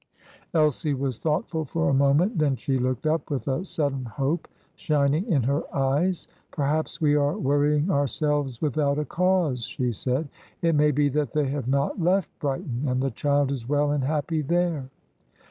Elsie was thoughtful for a moment; then she looked up, with a sudden hope shining in her eyes. "Perhaps we are worrying ourselves without a cause," she said. "It may be that they have not left Brighton, and the child is well and happy there."